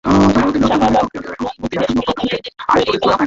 সাহাবাগণ জিজ্ঞেস করলেন, তারা তাদের প্রতিপালকের নিকট কিভাবে সারিবদ্ধ হয়?